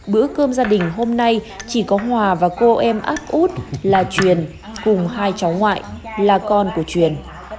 bữa cơm gia đình hôm nay chỉ có hòa và cô em ác út là truyền cùng hai cháu ngoại là con của truyền